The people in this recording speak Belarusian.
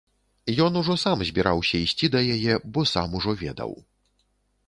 Ён ужо сам збіраўся ісці да яе, бо сам ужо ведаў.